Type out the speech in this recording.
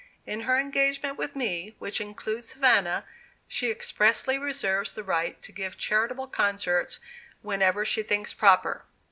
In her engagement with me (which includes Havana), she expressly reserves the right to give charitable concerts whenever she thinks proper.